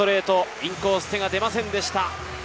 インコース手が出ませんでした。